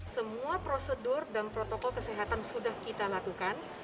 semua prosedur dan protokol kesehatan sudah kita lakukan